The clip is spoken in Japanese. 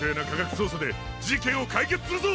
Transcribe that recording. そうさでじけんをかいけつするぞ！